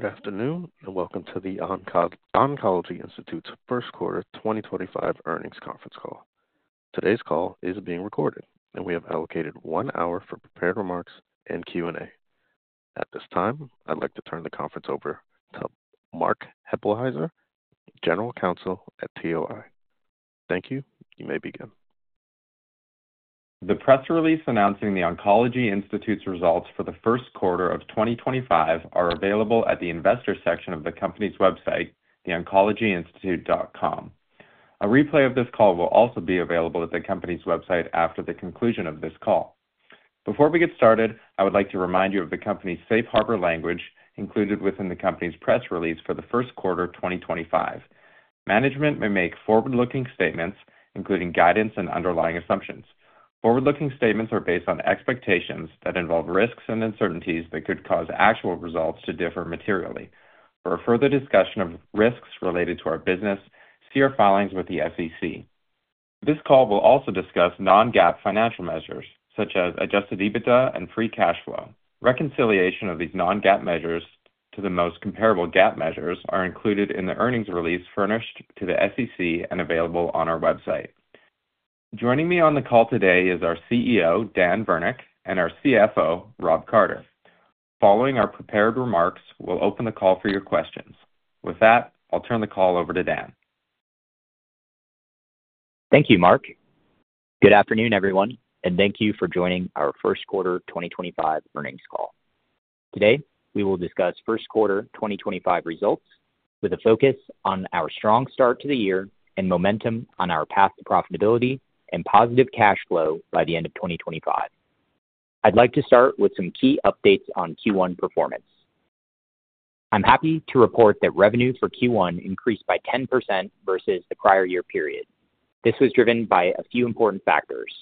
Good afternoon and welcome to The Oncology Institute's first quarter 2025 earnings conference call. Today's call is being recorded, and we have allocated one hour for prepared remarks and Q&A. At this time, I'd like to turn the conference over to Mark Hueppelsheuser, General Counsel at TOI. Thank you. You may begin. The press release announcing The Oncology Institute's results for the first quarter of 2025 are available at the investor section of the company's website, theoncologyinstitute.com. A replay of this call will also be available at the company's website after the conclusion of this call. Before we get started, I would like to remind you of the company's safe harbor language included within the company's press release for the first quarter 2025. Management may make forward-looking statements, including guidance and underlying assumptions. Forward-looking statements are based on expectations that involve risks and uncertainties that could cause actual results to differ materially. For further discussion of risks related to our business, see our filings with the SEC. This call will also discuss non-GAAP financial measures, such as adjusted EBITDA and free cash flow. Reconciliation of these non-GAAP measures to the most comparable GAAP measures is included in the earnings release furnished to the SEC and available on our website. Joining me on the call today is our CEO, Dan Virnich, and our CFO, Rob Carter. Following our prepared remarks, we'll open the call for your questions. With that, I'll turn the call over to Dan. Thank you, Mark. Good afternoon, everyone, and thank you for joining our first quarter 2025 earnings call. Today, we will discuss first quarter 2025 results with a focus on our strong start to the year and momentum on our path to profitability and positive cash flow by the end of 2025. I'd like to start with some key updates on Q1 performance. I'm happy to report that revenue for Q1 increased by 10% versus the prior year period. This was driven by a few important factors.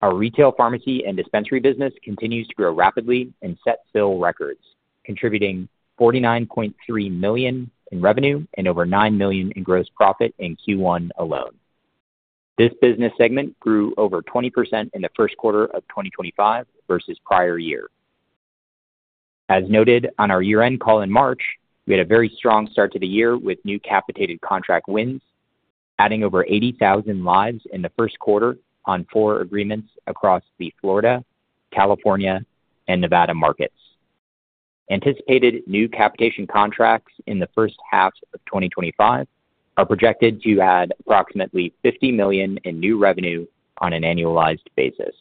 Our retail pharmacy and dispensary business continues to grow rapidly and set sale records, contributing $49.3 million in revenue and over $9 million in gross profit in Q1 alone. This business segment grew over 20% in the first quarter of 2025 versus the prior year. As noted on our year-end call in March, we had a very strong start to the year with new capitated contract wins, adding over 80,000 lives in the first quarter on four agreements across the Florida, California, and Nevada markets. Anticipated new capitation contracts in the first half of 2025 are projected to add approximately $50 million in new revenue on an annualized basis.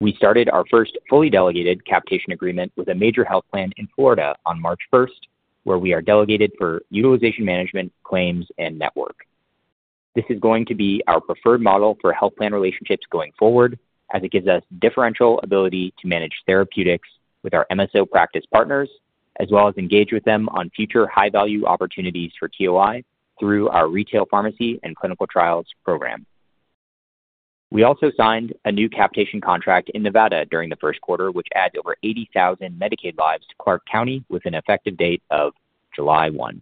We started our first fully delegated capitation agreement with a major health plan in Florida on March 1st, where we are delegated for utilization management, claims, and network. This is going to be our preferred model for health plan relationships going forward, as it gives us differential ability to manage therapeutics with our MSO practice partners, as well as engage with them on future high-value opportunities for TOI through our retail pharmacy and clinical trials program. We also signed a new capitation contract in Nevada during the first quarter, which adds over 80,000 Medicaid lives to Clark County with an effective date of July 1.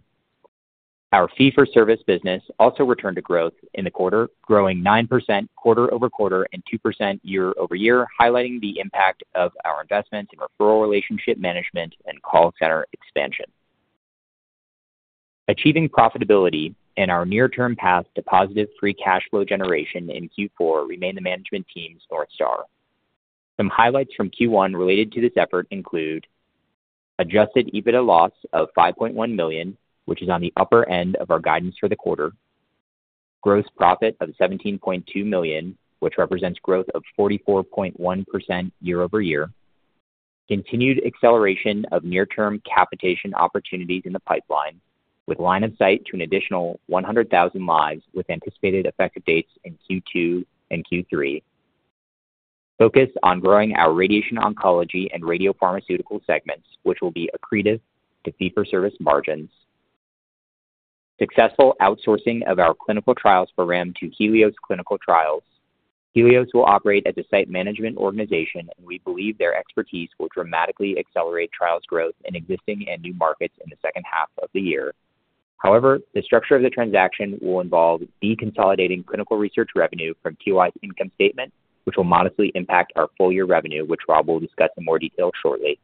Our fee-for-service business also returned to growth in the quarter, growing 9% quarter-over-quarter and 2% year-over-year, highlighting the impact of our investments in referral relationship management and call center expansion. Achieving profitability and our near-term path to positive free cash flow generation in Q4 remain the management team's North Star. Some highlights from Q1 related to this effort include adjusted EBITDA loss of $5.1 million, which is on the upper end of our guidance for the quarter. Gross profit of $17.2 million, which represents growth of 44.1% year-over-year. Continued acceleration of near-term capitation opportunities in the pipeline, with line of sight to an additional 100,000 lives with anticipated effective dates in Q2 and Q3. Focus on growing our radiation oncology and radiopharmaceutical segments, which will be accretive to fee-for-service margins. Successful outsourcing of our clinical trials program to Helios Clinical Trials. Helios will operate as a site management organization, and we believe their expertise will dramatically accelerate trials growth in existing and new markets in the second half of the year. However, the structure of the transaction will involve deconsolidating clinical research revenue from TOI's income statement, which will modestly impact our full-year revenue, which Rob will discuss in more detail shortly.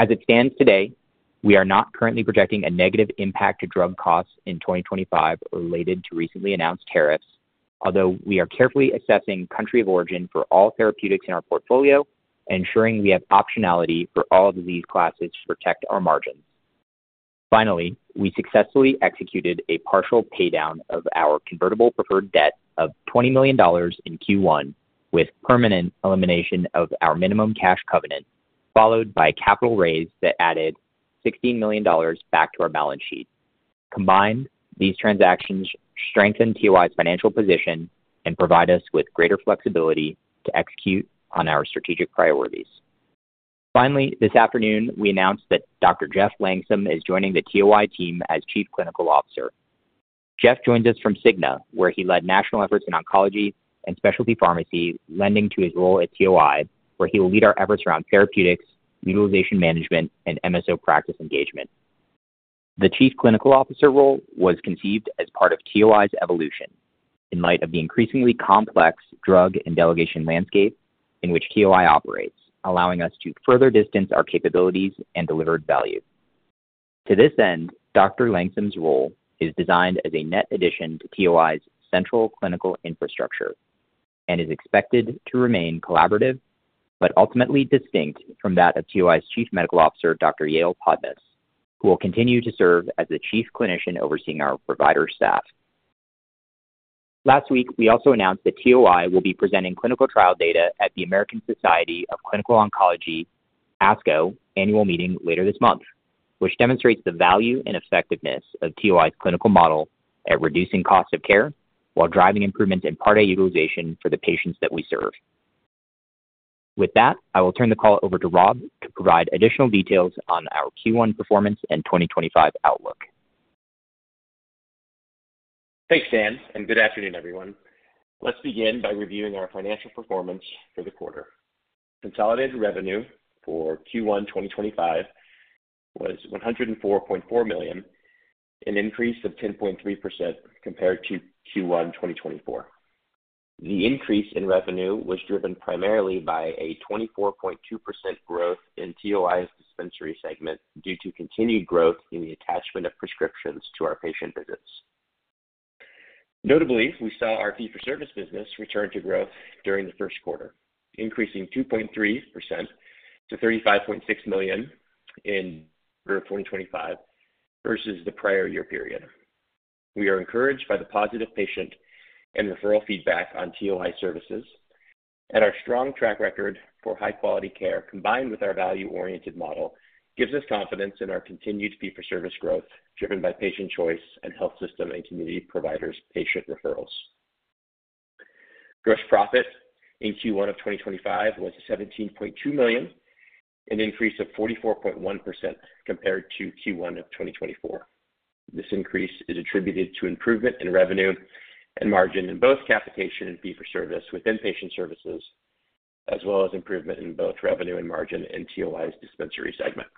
As it stands today, we are not currently projecting a negative impact to drug costs in 2025 related to recently announced tariffs, although we are carefully assessing country of origin for all therapeutics in our portfolio and ensuring we have optionality for all disease classes to protect our margins. Finally, we successfully executed a partial paydown of our convertible preferred debt of $20 million in Q1, with permanent elimination of our minimum cash covenant, followed by capital raise that added $16 million back to our balance sheet. Combined, these transactions strengthen TOI's financial position and provide us with greater flexibility to execute on our strategic priorities. Finally, this afternoon, we announced that Dr. Jeff Langsam is joining the TOI team as Chief Clinical Officer. Jeff joins us from Cigna, where he led national efforts in oncology and specialty pharmacy, lending to his role at TOI, where he will lead our efforts around therapeutics, utilization management, and MSO practice engagement. The Chief Clinical Officer role was conceived as part of TOI's evolution in light of the increasingly complex drug and delegation landscape in which TOI operates, allowing us to further distance our capabilities and delivered value. To this end, Dr. Langsam's role is designed as a net addition to TOI's central clinical infrastructure and is expected to remain collaborative but ultimately distinct from that of TOI's Chief Medical Officer, Dr. Yale Podnos, who will continue to serve as the Chief Clinician overseeing our provider staff. Last week, we also announced that TOI will be presenting clinical trial data at the American Society of Clinical Oncology, ASCO, annual meeting later this month, which demonstrates the value and effectiveness of TOI's clinical model at reducing cost of care while driving improvements in part A utilization for the patients that we serve. With that, I will turn the call over to Rob to provide additional details on our Q1 performance and 2025 outlook. Thanks, Dan, and good afternoon, everyone. Let's begin by reviewing our financial performance for the quarter. Consolidated revenue for Q1 2025 was $104.4 million, an increase of 10.3% compared to Q1 2024. The increase in revenue was driven primarily by a 24.2% growth in TOI's dispensary segment due to continued growth in the attachment of prescriptions to our patient visits. Notably, we saw our fee-for-service business return to growth during the first quarter, increasing 2.3% to $35.6 million in Q2 2025 versus the prior year period. We are encouraged by the positive patient and referral feedback on TOI services, and our strong track record for high-quality care combined with our value-oriented model gives us confidence in our continued fee-for-service growth driven by patient choice and health system and community providers' patient referrals. Gross profit in Q1 of 2025 was $17.2 million, an increase of 44.1% compared to Q1 of 2024. This increase is attributed to improvement in revenue and margin in both capitation and fee-for-service within patient services, as well as improvement in both revenue and margin in TOI's dispensary segment.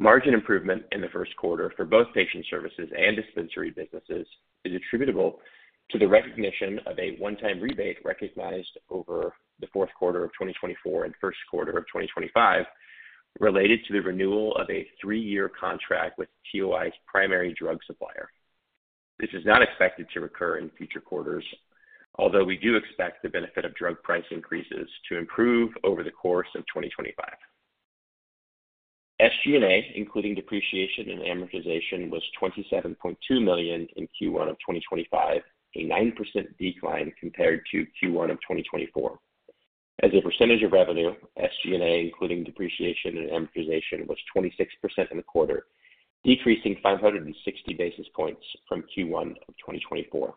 Margin improvement in the first quarter for both patient services and dispensary businesses is attributable to the recognition of a one-time rebate recognized over the fourth quarter of 2024 and first quarter of 2025 related to the renewal of a three-year contract with TOI's primary drug supplier. This is not expected to recur in future quarters, although we do expect the benefit of drug price increases to improve over the course of 2025. SG&A, including depreciation and amortization, was $27.2 million in Q1 of 2025, a 9% decline compared to Q1 of 2024. As a percentage of revenue, SG&A, including depreciation and amortization, was 26% in the quarter, decreasing 560 basis points from Q1 of 2024.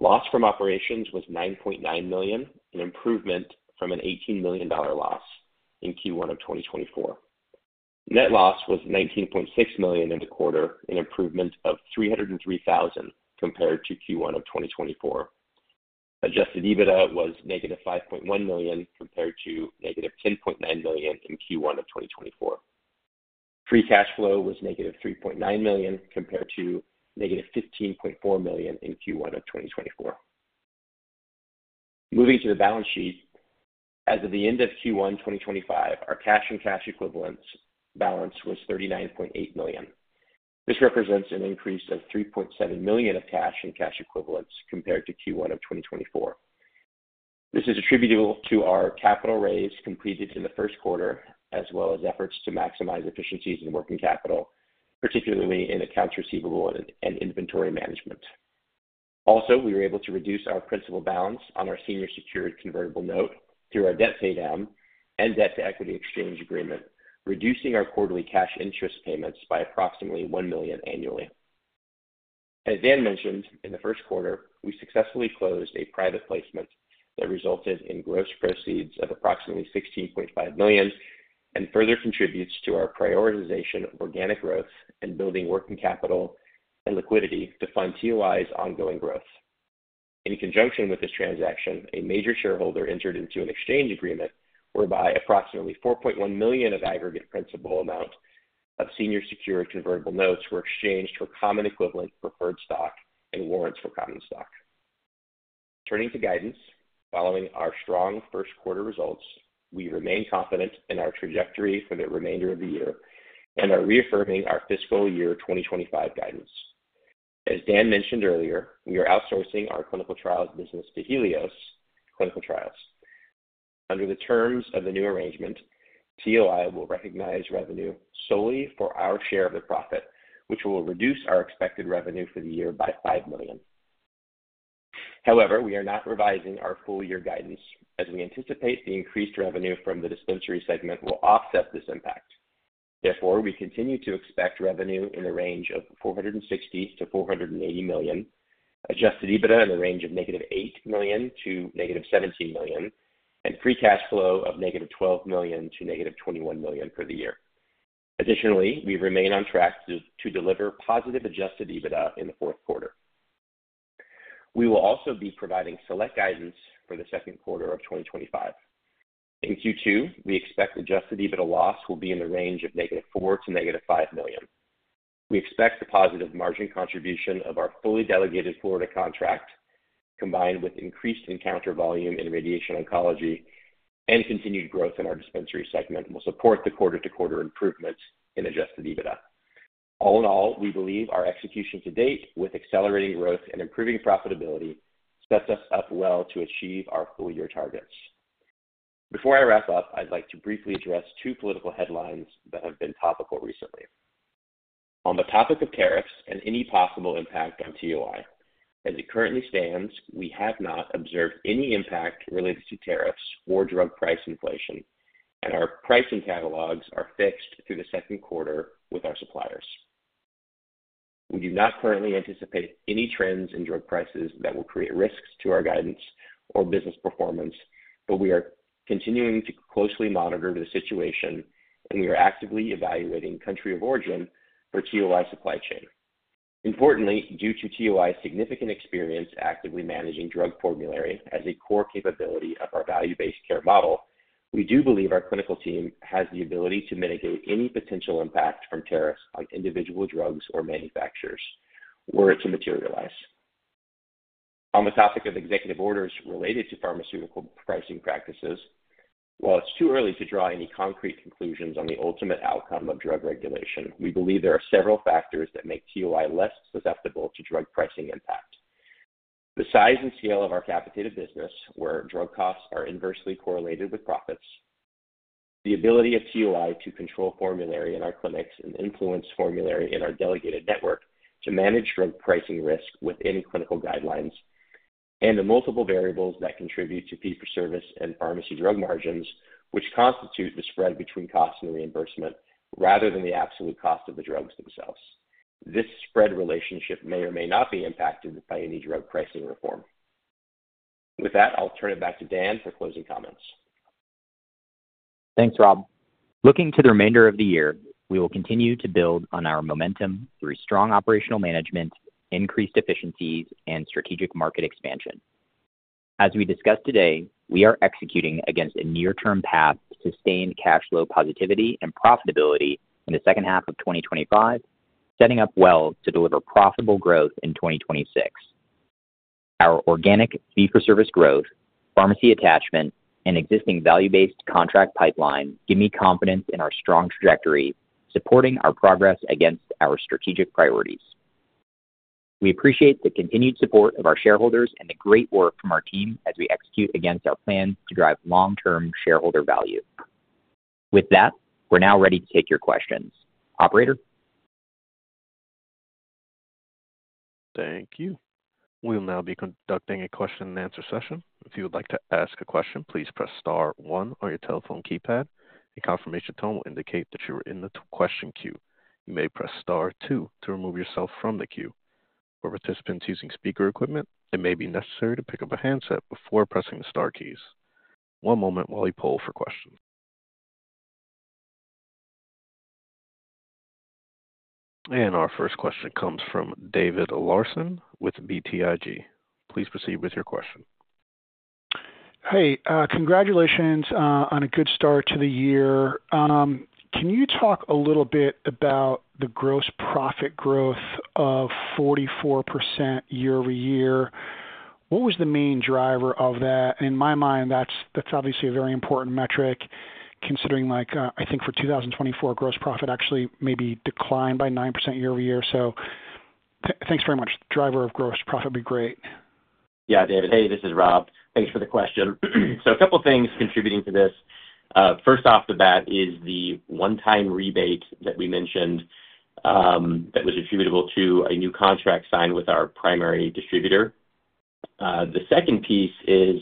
Loss from operations was $9.9 million, an improvement from an $18 million loss in Q1 of 2024. Net loss was $19.6 million in the quarter, an improvement of $303,000 compared to Q1 of 2024. Adjusted EBITDA was -$5.1 million compared to -$10.9 million in Q1 of 2024. Free cash flow was -$3.9 million compared to -$15.4 million in Q1 of 2024. Moving to the balance sheet, as of the end of Q1 2025, our cash and cash equivalents balance was $39.8 million. This represents an increase of $3.7 million of cash and cash equivalents compared to Q1 of 2024. This is attributable to our capital raise completed in the first quarter, as well as efforts to maximize efficiencies in working capital, particularly in accounts receivable and inventory management. Also, we were able to reduce our principal balance on our senior secured convertible note through our debt paydown and debt to equity exchange agreement, reducing our quarterly cash interest payments by approximately $1 million annually. As Dan mentioned, in the first quarter, we successfully closed a private placement that resulted in gross proceeds of approximately $16.5 million and further contributes to our prioritization of organic growth and building working capital and liquidity to fund TOI's ongoing growth. In conjunction with this transaction, a major shareholder entered into an exchange agreement whereby approximately $4.1 million of aggregate principal amount of senior secured convertible notes were exchanged for common equivalent preferred stock and warrants for common stock. Turning to guidance, following our strong first quarter results, we remain confident in our trajectory for the remainder of the year and are reaffirming our fiscal year 2025 guidance. As Dan mentioned earlier, we are outsourcing our clinical trials business to Helios Clinical Trials. Under the terms of the new arrangement, TOI will recognize revenue solely for our share of the profit, which will reduce our expected revenue for the year by $5 million. However, we are not revising our full-year guidance, as we anticipate the increased revenue from the dispensary segment will offset this impact. Therefore, we continue to expect revenue in the range of $460-$480 million, adjusted EBITDA in the range of -$8 million to -$17 million, and free cash flow of -$12 million to -$21 million for the year. Additionally, we remain on track to deliver positive adjusted EBITDA in the fourth quarter. We will also be providing select guidance for the second quarter of 2025. In Q2, we expect adjusted EBITDA loss will be in the range of -$4 million to -$5 million. We expect the positive margin contribution of our fully delegated Florida contract, combined with increased encounter volume in radiation oncology and continued growth in our dispensary segment, will support the quarter-to-quarter improvement in adjusted EBITDA. All in all, we believe our execution to date with accelerating growth and improving profitability sets us up well to achieve our full-year targets. Before I wrap up, I'd like to briefly address two political headlines that have been topical recently. On the topic of tariffs and any possible impact on TOI, as it currently stands, we have not observed any impact related to tariffs or drug price inflation, and our pricing catalogs are fixed through the second quarter with our suppliers. We do not currently anticipate any trends in drug prices that will create risks to our guidance or business performance, but we are continuing to closely monitor the situation, and we are actively evaluating country of origin for TOI supply chain. Importantly, due to TOI's significant experience actively managing drug formulary as a core capability of our value-based care model, we do believe our clinical team has the ability to mitigate any potential impact from tariffs on individual drugs or manufacturers were it to materialize. On the topic of executive orders related to pharmaceutical pricing practices, while it's too early to draw any concrete conclusions on the ultimate outcome of drug regulation, we believe there are several factors that make TOI less susceptible to drug pricing impact. The size and scale of our capitated business, where drug costs are inversely correlated with profits, the ability of TOI to control formulary in our clinics and influence formulary in our delegated network to manage drug pricing risk within clinical guidelines, and the multiple variables that contribute to fee-for-service and pharmacy drug margins, which constitute the spread between cost and reimbursement rather than the absolute cost of the drugs themselves. This spread relationship may or may not be impacted by any drug pricing reform. With that, I'll turn it back to Dan for closing comments. Thanks, Rob. Looking to the remainder of the year, we will continue to build on our momentum through strong operational management, increased efficiencies, and strategic market expansion. As we discussed today, we are executing against a near-term path to sustained cash flow positivity and profitability in the second half of 2025, setting up well to deliver profitable growth in 2026. Our organic fee-for-service growth, pharmacy attachment, and existing value-based contract pipeline give me confidence in our strong trajectory, supporting our progress against our strategic priorities. We appreciate the continued support of our shareholders and the great work from our team as we execute against our plan to drive long-term shareholder value. With that, we're now ready to take your questions. Operator. Thank you. We will now be conducting a question-and-answer session. If you would like to ask a question, please press Star 1 on your telephone keypad, and a confirmation tone will indicate that you are in the question queue. You may press Star 2 to remove yourself from the queue. For participants using speaker equipment, it may be necessary to pick up a handset before pressing the Star keys. One moment while we poll for questions. Our first question comes from David Larsen with BTIG. Please proceed with your question. Hey, congratulations on a good start to the year. Can you talk a little bit about the gross profit growth of 44% year-over-year? What was the main driver of that? In my mind, that's obviously a very important metric, considering, I think, for 2024, gross profit actually maybe declined by 9% year-over-year. Thanks very much. Driver of gross profit would be great. Yeah, David. Hey, this is Rob. Thanks for the question. A couple of things contributing to this. First off the bat is the one-time rebate that we mentioned that was attributable to a new contract signed with our primary distributor. The second piece is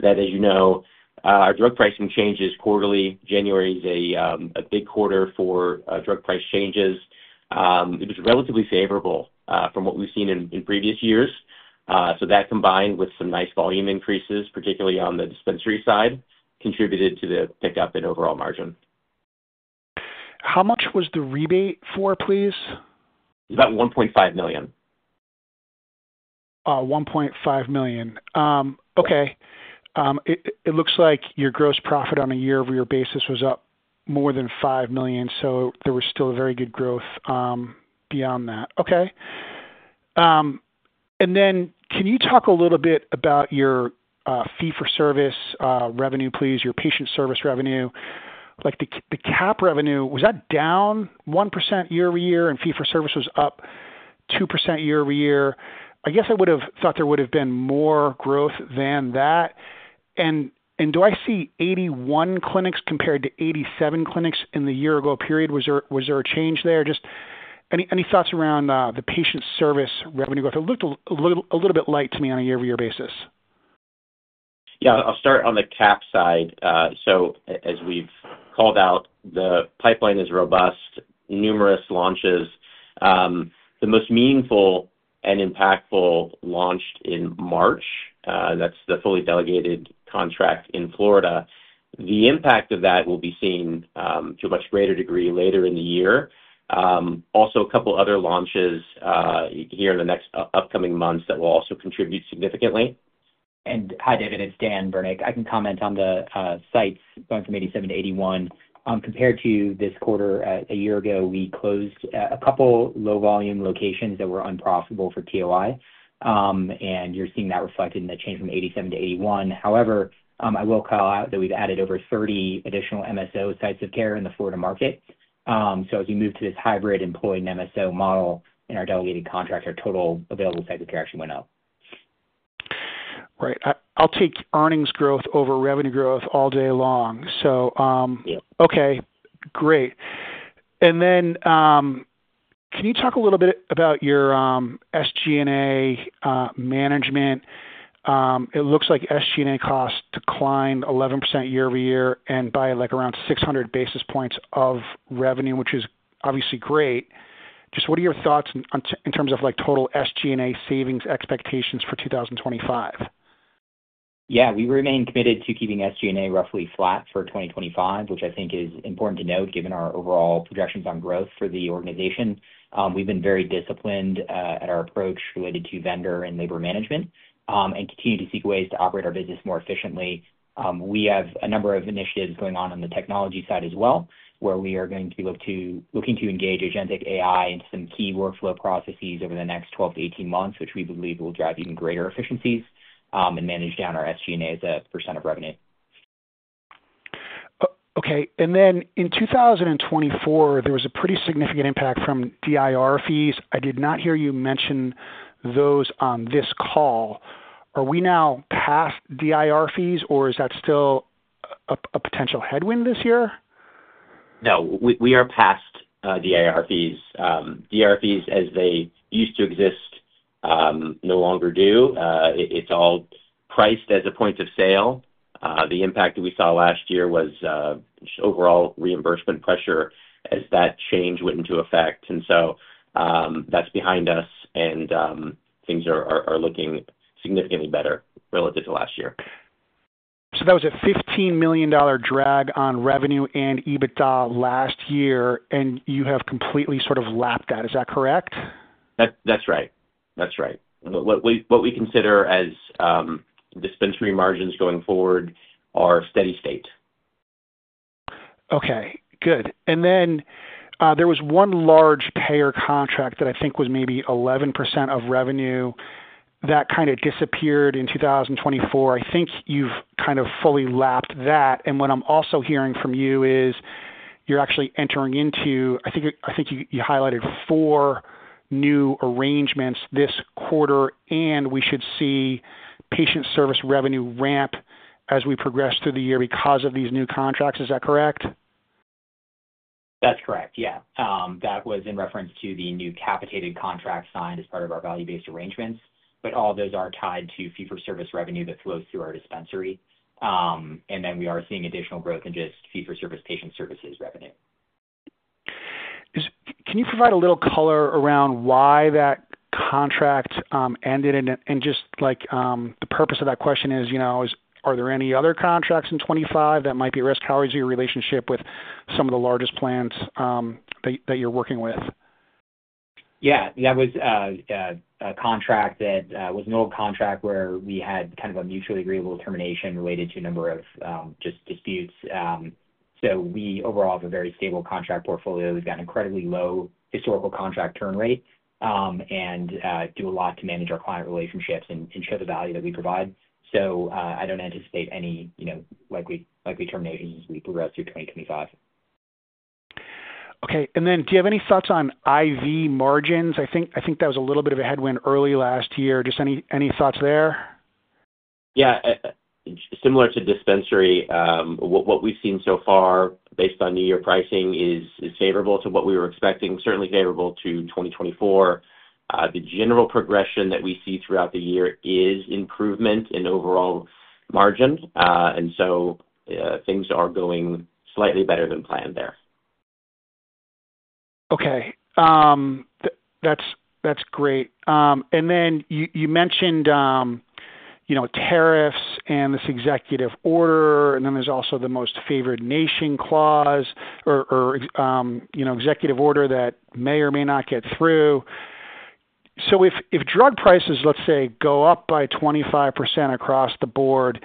that, as you know, our drug pricing changes quarterly. January is a big quarter for drug price changes. It was relatively favorable from what we've seen in previous years. That, combined with some nice volume increases, particularly on the dispensary side, contributed to the pickup in overall margin. How much was the rebate for, please? It was about $1.5 million. $1.5 million. Okay. It looks like your gross profit on a year-over-year basis was up more than $5 million, so there was still a very good growth beyond that. Okay. Can you talk a little bit about your fee-for-service revenue, please, your patient service revenue? The cap revenue, was that down 1% year-over-year and fee-for-service was up 2% year-over-year? I guess I would have thought there would have been more growth than that. Do I see 81 clinics compared to 87 clinics in the year-ago period? Was there a change there? Just any thoughts around the patient service revenue growth? It looked a little bit light to me on a year-over-year basis. Yeah. I'll start on the cap side. As we've called out, the pipeline is robust, numerous launches. The most meaningful and impactful launched in March. That's the fully delegated contract in Florida. The impact of that will be seen to a much greater degree later in the year. Also, a couple of other launches here in the next upcoming months that will also contribute significantly. Hi, David. It's Dan Virnich. I can comment on the sites going from 87 to 81. Compared to this quarter a year ago, we closed a couple of low-volume locations that were unprofitable for TOI, and you're seeing that reflected in the change from 87 to 81. However, I will call out that we've added over 30 additional MSO sites of care in the Florida market. As we move to this hybrid employee and MSO model in our delegated contract, our total available sites of care actually went up. Right. I'll take earnings growth over revenue growth all day long. Yeah. Okay. Great. Can you talk a little bit about your SG&A management? It looks like SG&A costs declined 11% year-over-year and by around 600 basis points of revenue, which is obviously great. Just what are your thoughts in terms of total SG&A savings expectations for 2025? Yeah. We remain committed to keeping SG&A roughly flat for 2025, which I think is important to note given our overall projections on growth for the organization. We've been very disciplined at our approach related to vendor and labor management and continue to seek ways to operate our business more efficiently. We have a number of initiatives going on on the technology side as well, where we are going to be looking to engage Agentic AI into some key workflow processes over the next 12-18 months, which we believe will drive even greater efficiencies and manage down our SG&A as a percent of revenue. Okay. In 2024, there was a pretty significant impact from DIR fees. I did not hear you mention those on this call. Are we now past DIR fees, or is that still a potential headwind this year? No. We are past DIR fees. DIR fees, as they used to exist, no longer do. It is all priced as a point of sale. The impact that we saw last year was just overall reimbursement pressure as that change went into effect. That is behind us, and things are looking significantly better relative to last year. That was a $15 million drag on revenue and EBITDA last year, and you have completely sort of lapped that. Is that correct? That's right. That's right. What we consider as dispensary margins going forward are steady state. Okay. Good. There was one large payer contract that I think was maybe 11% of revenue that kind of disappeared in 2024. I think you've kind of fully lapped that. What I'm also hearing from you is you're actually entering into, I think you highlighted, four new arrangements this quarter, and we should see patient service revenue ramp as we progress through the year because of these new contracts. Is that correct? That's correct. Yeah. That was in reference to the new capitated contract signed as part of our value-based arrangements, but all of those are tied to fee-for-service revenue that flows through our dispensary. We are seeing additional growth in just fee-for-service patient services revenue. Can you provide a little color around why that contract ended? The purpose of that question is, are there any other contracts in 2025 that might be risk-high? How is your relationship with some of the largest plans that you're working with? Yeah. That was a contract that was an old contract where we had kind of a mutually agreeable termination related to a number of just disputes. We overall have a very stable contract portfolio. We've got an incredibly low historical contract turn rate and do a lot to manage our client relationships and show the value that we provide. I don't anticipate any likely terminations as we progress through 2025. Okay. Do you have any thoughts on IV margins? I think that was a little bit of a headwind early last year. Just any thoughts there? Yeah. Similar to dispensary, what we've seen so far based on new year pricing is favorable to what we were expecting, certainly favorable to 2024. The general progression that we see throughout the year is improvement in overall margin. Things are going slightly better than planned there. Okay. That's great. You mentioned tariffs and this executive order, and then there's also the most favored nation clause or executive order that may or may not get through. If drug prices, let's say, go up by 25% across the board,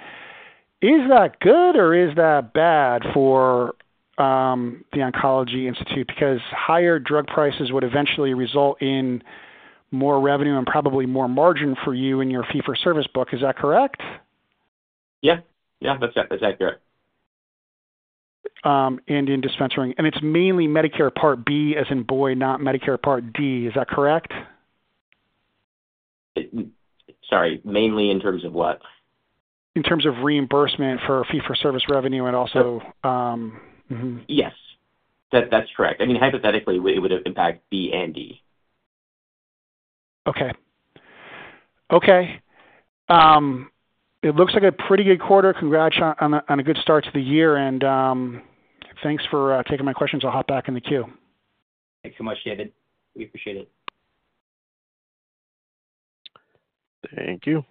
is that good or is that bad for The Oncology Institute? Because higher drug prices would eventually result in more revenue and probably more margin for you in your fee-for-service book. Is that correct? Yeah. Yeah. That's accurate. In dispensary. And it's mainly Medicare Part B as in boy, not Medicare Part D. Is that correct? Sorry. Mainly in terms of what? In terms of reimbursement for fee-for-service revenue and also. Yes. That's correct. I mean, hypothetically, it would have impacted B and D. Okay. Okay. It looks like a pretty good quarter. Congrats on a good start to the year. Thanks for taking my questions. I'll hop back in the queue. Thanks so much, David. We appreciate it. Thank you.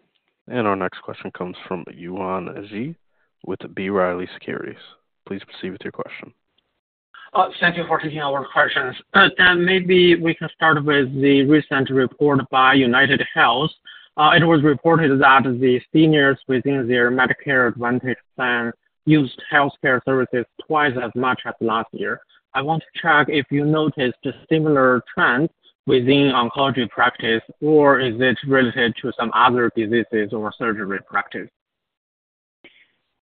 Our next question comes from Yuan Zhi with B. Riley Securities. Please proceed with your question. Thank you for taking our questions. Maybe we can start with the recent report by UnitedHealth. It was reported that the seniors within their Medicare Advantage plan used healthcare services twice as much as last year. I want to check if you noticed a similar trend within oncology practice, or is it related to some other diseases or surgery practice?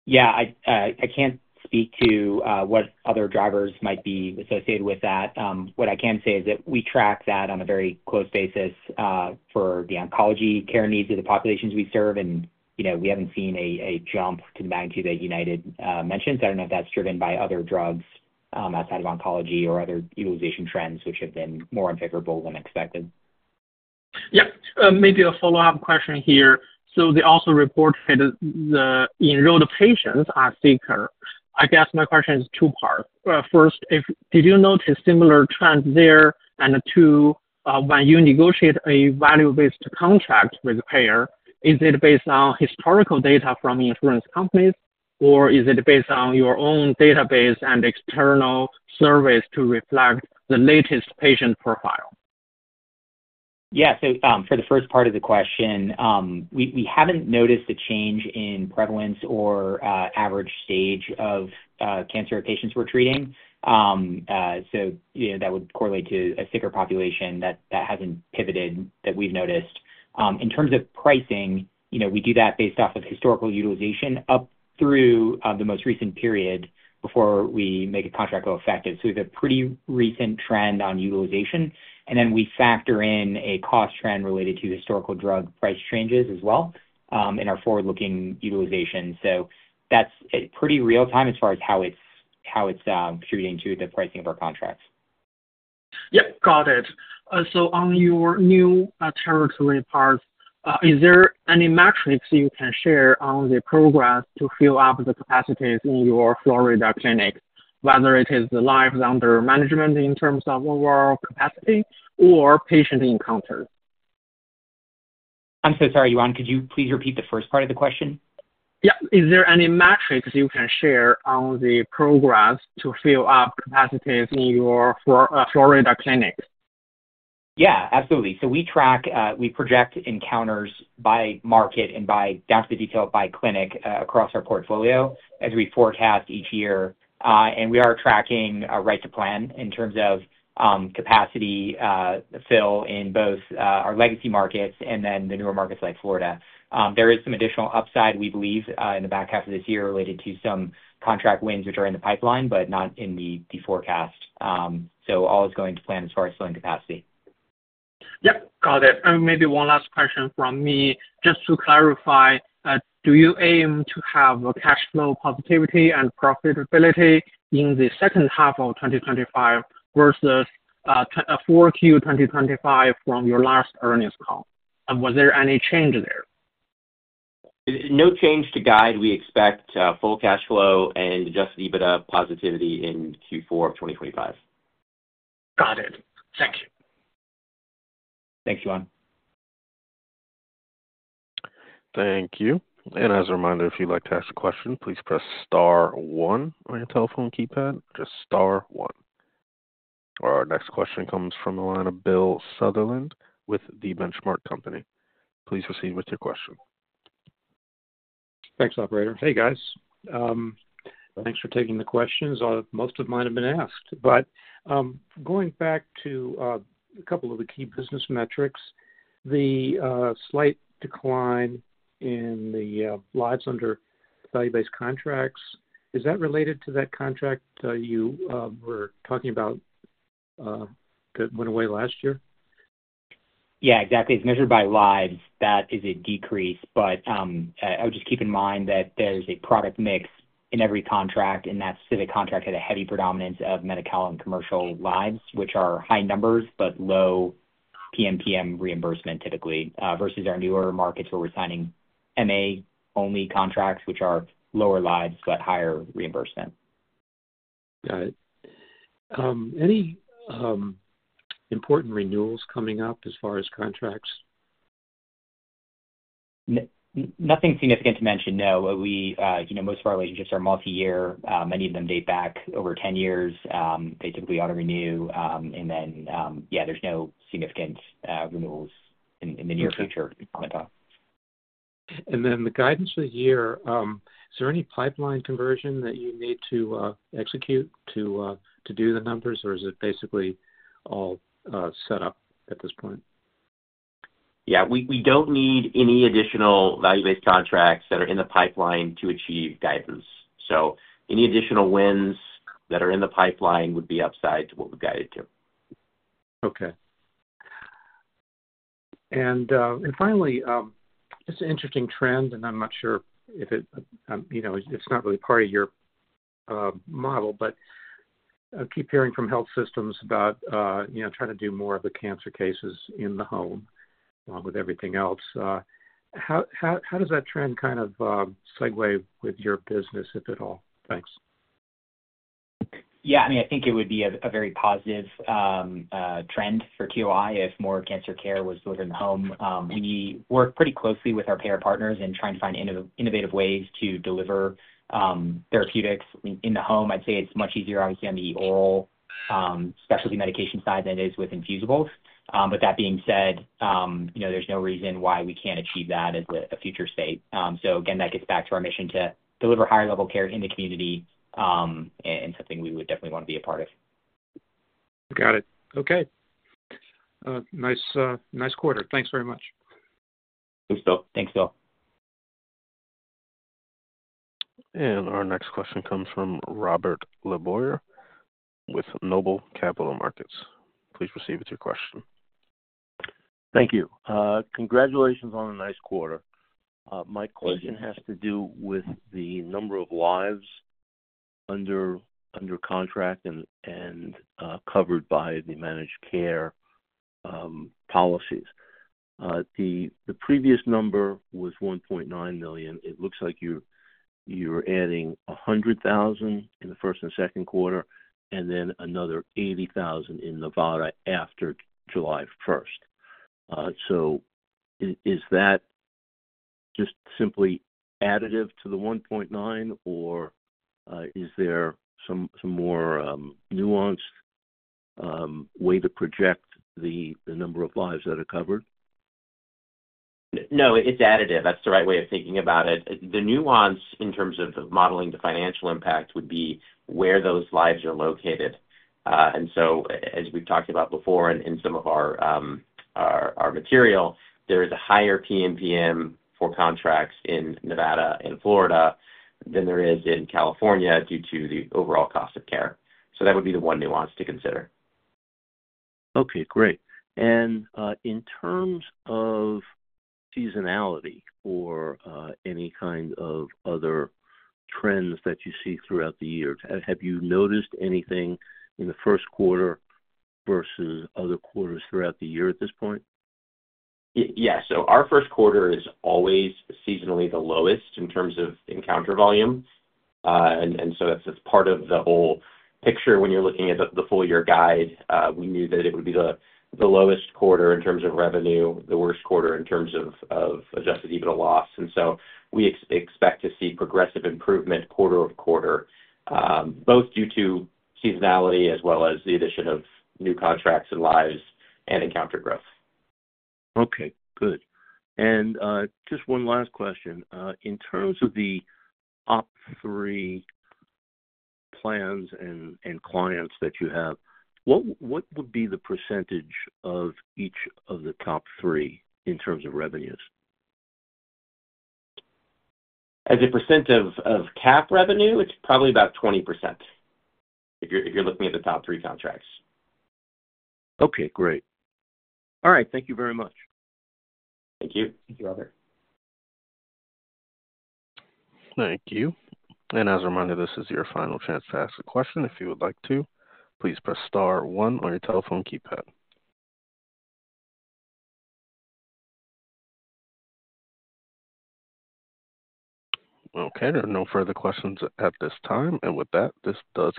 Yeah. I can't speak to what other drivers might be associated with that. What I can say is that we track that on a very close basis for the oncology care needs of the populations we serve, and we haven't seen a jump to the magnitude that United mentioned. I don't know if that's driven by other drugs outside of oncology or other utilization trends which have been more unfavorable than expected. Yeah. Maybe a follow-up question here. They also reported the enrolled patients are sicker. I guess my question is two-part. First, did you notice similar trends there? Two, when you negotiate a value-based contract with a payer, is it based on historical data from insurance companies, or is it based on your own database and external surveys to reflect the latest patient profile? Yeah. For the first part of the question, we haven't noticed a change in prevalence or average stage of cancer patients we're treating. That would correlate to a sicker population that hasn't pivoted that we've noticed. In terms of pricing, we do that based off of historical utilization up through the most recent period before we make a contract go effective. We have a pretty recent trend on utilization, and then we factor in a cost trend related to historical drug price changes as well in our forward-looking utilization. That's pretty real-time as far as how it's contributing to the pricing of our contracts. Yep. Got it. On your new territory part, is there any metrics you can share on the progress to fill up the capacities in your Florida clinic, whether it is the lives under management in terms of overall capacity or patient encounter? I'm so sorry, Yuan. Could you please repeat the first part of the question? Yeah. Is there any metrics you can share on the progress to fill up capacities in your Florida clinic? Yeah. Absolutely. We project encounters by market and down to the detail by clinic across our portfolio as we forecast each year. We are tracking right to plan in terms of capacity fill in both our legacy markets and the newer markets like Florida. There is some additional upside, we believe, in the back half of this year related to some contract wins which are in the pipeline, but not in the forecast. All is going to plan as far as filling capacity. Yep. Got it. Maybe one last question from me. Just to clarify, do you aim to have cash flow positivity and profitability in the second half of 2025 versus Q4 2025 from your last earnings call? Was there any change there? No change to guide. We expect full cash flow and Adjusted EBITDA positivity in Q4 of 2025. Got it. Thank you. Thanks, Yuan. Thank you. As a reminder, if you'd like to ask a question, please press star one on your telephone keypad. Just star one. Our next question comes from the line of Bill Sutherland with the Benchmark Company. Please proceed with your question. Thanks, operator. Hey, guys. Thanks for taking the questions. Most of mine have been asked. Going back to a couple of the key business metrics, the slight decline in the lives under value-based contracts, is that related to that contract you were talking about that went away last year? Yeah. Exactly. It's measured by lives. That is a decrease. I would just keep in mind that there's a product mix in every contract, and that specific contract had a heavy predominance of medical and commercial lives, which are high numbers but low PMPM reimbursement typically, versus our newer markets where we're signing MA-only contracts, which are lower lives but higher reimbursement. Got it. Any important renewals coming up as far as contracts? Nothing significant to mention. No. Most of our relationships are multi-year. Many of them date back over 10 years. They typically auto-renew. Yeah, there's no significant renewals in the near future coming up. The guidance of the year, is there any pipeline conversion that you need to execute to do the numbers, or is it basically all set up at this point? Yeah. We do not need any additional value-based contracts that are in the pipeline to achieve guidance. Any additional wins that are in the pipeline would be upside to what we have guided to. Okay. Finally, it's an interesting trend, and I'm not sure if it's not really part of your model, but I keep hearing from health systems about trying to do more of the cancer cases in the home along with everything else. How does that trend kind of segue with your business, if at all? Thanks. Yeah. I mean, I think it would be a very positive trend for TOI if more cancer care was delivered in the home. We work pretty closely with our payer partners in trying to find innovative ways to deliver therapeutics in the home. I'd say it's much easier, obviously, on the oral specialty medication side than it is with infusibles. That being said, there's no reason why we can't achieve that as a future state. Again, that gets back to our mission to deliver higher-level care in the community and something we would definitely want to be a part of. Got it. Okay. Nice quarter. Thanks very much. Thanks, Phil. Thanks, Phil. Our next question comes from Robert LeBoyer with Noble Capital Markets. Please proceed with your question. Thank you. Congratulations on a nice quarter. My question has to do with the number of lives under contract and covered by the managed care policies. The previous number was 1.9 million. It looks like you're adding 100,000 in the first and second quarter and then another 80,000 in Nevada after July 1st. Is that just simply additive to the 1.9 million, or is there some more nuanced way to project the number of lives that are covered? No. It's additive. That's the right way of thinking about it. The nuance in terms of modeling the financial impact would be where those lives are located. As we've talked about before in some of our material, there is a higher PMPM for contracts in Nevada and Florida than there is in California due to the overall cost of care. That would be the one nuance to consider. Okay. Great. In terms of seasonality or any kind of other trends that you see throughout the year, have you noticed anything in the first quarter versus other quarters throughout the year at this point? Yeah. Our first quarter is always seasonally the lowest in terms of encounter volume. That is part of the whole picture when you're looking at the full-year guide. We knew that it would be the lowest quarter in terms of revenue, the worst quarter in terms of adjusted EBITDA loss. We expect to see progressive improvement quarter-over-quarter, both due to seasonality as well as the addition of new contracts and lives and encounter growth. Okay. Good. Just one last question. In terms of the top three plans and clients that you have, what would be the percentage of each of the top three in terms of revenues? As a percent of cap revenue, it's probably about 20% if you're looking at the top three contracts. Okay. Great. All right. Thank you very much. Thank you, Robert. Thank you. As a reminder, this is your final chance to ask a question if you would like to. Please press star one on your telephone keypad. Okay. There are no further questions at this time. With that, this does.